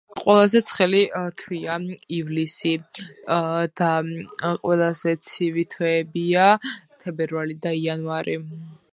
ყველაზე ცხელი თვეებია იანვარი და თებერვალი, ყველაზე ცივი თვეა ივლისი.